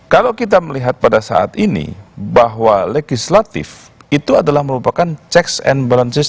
kalau kita melihat pada saat ini bahwa legislatif itu adalah merupakan checks and balances